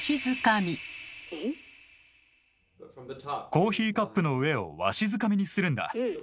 コーヒーカップの上をわしづかみにするんだ。